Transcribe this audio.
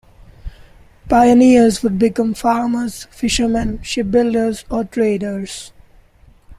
Pioneers would become farmers, fishermen, shipbuilders or traders.